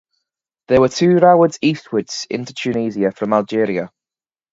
There were two roads eastwards into Tunisia from Algeria.